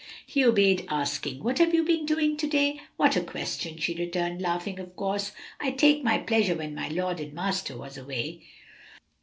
He obeyed, asking, "What have you been doing to day?" "What a question!" she returned, laughing; "of course, I'd take my pleasure when my lord and master was away."